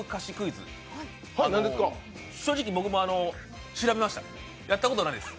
正直、僕も調べました、やったことないです。